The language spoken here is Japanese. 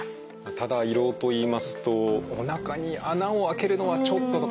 ただ胃ろうといいますとおなかに穴を開けるのはちょっととかね